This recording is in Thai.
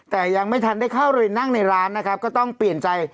แต่ยังไม่ทันได้เข้าไปนั่งในร้านนะครับก็ต้องเปลี่ยนใจ